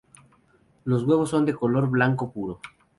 Los huevos son de color blanco puro.